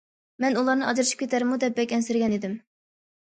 مەن ئۇلارنى ئاجرىشىپ كېتەرمۇ دەپ بەك ئەنسىرىگەن ئىدىم.